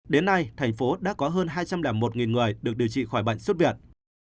đến nay thành phố đã có hơn hai trăm linh một người được điều trị khỏi bệnh xuất viện